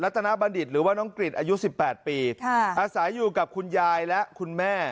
จนบัณฑิตหรือว่าน้องกริจอายุ๑๘ปีอาศัยอยู่กับคุณยายและคุณแม่